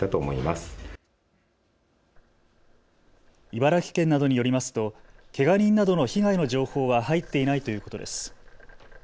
茨城県などによりますとけが人などの被害の情報は入っていないということです。